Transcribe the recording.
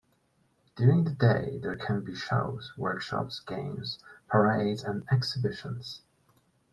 During the day there can be shows, workshops, games, parades and exhibitions.